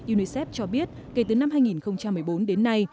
unicef cho biết kể từ năm hai nghìn một mươi bốn đến nay